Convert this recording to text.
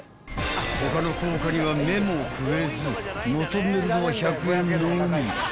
［他の硬貨には目もくれず求めるのは１００円のみ］